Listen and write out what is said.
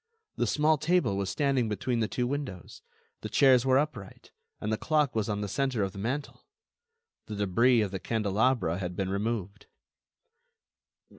The small table was standing between the two windows, the chairs were upright, and the clock was on the centre of the mantel. The debris of the candelabra had been removed.